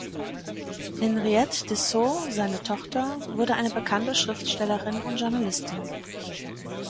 Henriette Dessaulles, seine Tochter, wurde eine bekannte Schriftstellerin und Journalistin.